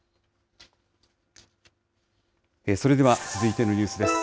それでは続いてのニュースです。